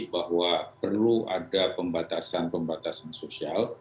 bahwa perlu ada pembatasan pembatasan sosial